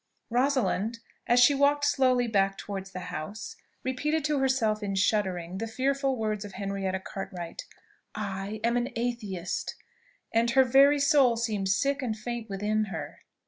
Rosalind, as she walked slowly back towards the house, repeated to herself in shuddering the fearful words of Henrietta Cartwright I AM AN ATHEIST, and her very soul seemed sick and faint within her.